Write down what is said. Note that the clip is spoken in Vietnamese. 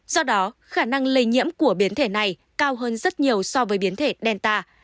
do đó khả năng lây nhiễm của biến thể này cao hơn rất nhiều so với biến thể delta